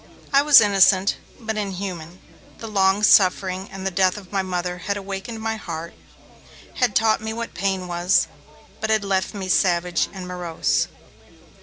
I was innocent, but inhuman. The long suffering and the death of my Mother had awakened my heart, had taught me what pain was, but had left me savage and morose.